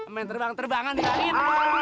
main terbang terbangan di sini